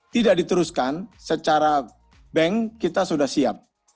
tidak diteruskan secara bank kita sudah siap